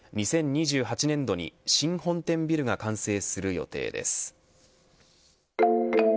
２０２８年度に新本店ビルが完成する予定です。